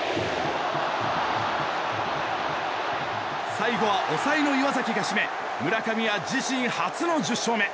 最後は抑えの岩崎が締め村上は自身初の１０勝目。